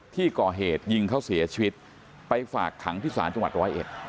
ที่ก่อเหตุยิงเขาเสียชีวิตไปฝากขังที่ศาลจังหวัดร้อยเอ็ด